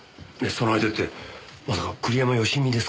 その相手ってまさか栗山佳美ですか？